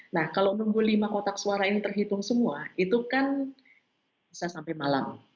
nah kalau nunggu lima kotak suara ini terhitung semua itu kan bisa sampai malam